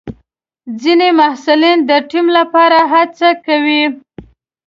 ځینې محصلین د ټیم لپاره هڅه کوي.